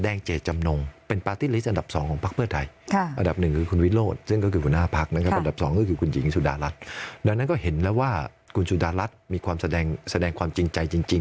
ดังนั้นก็เห็นแล้วว่าคุณสุดารัฐมีความแสดงความจริงใจจริง